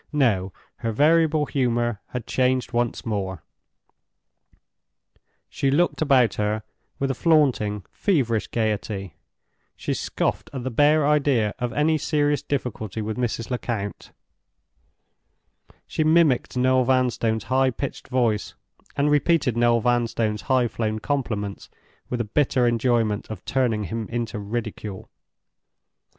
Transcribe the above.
No! her variable humor had changed once more. She looked about her with a flaunting, feverish gayety; she scoffed at the bare idea of any serious difficulty with Mrs. Lecount; she mimicked Noel Vanstone's high pitched voice, and repeated Noel Vanstone's high flown compliments, with a bitter enjoyment of turning him into ridicule.